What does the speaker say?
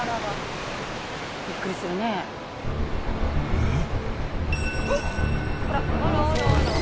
えっ？